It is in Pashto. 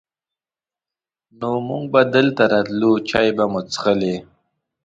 نو مونږ به دلته راتلو، چای به مو چښلې.